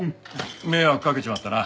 迷惑かけちまったな。